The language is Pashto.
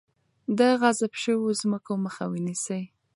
د غصب شوو ځمکو مخه ونیسئ.